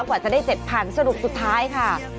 กว่าจะได้๗๐๐สรุปสุดท้ายค่ะ